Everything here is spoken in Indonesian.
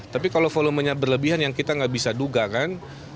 tapi kalau volumenya berlebihan yang kita nggak bisa duga kan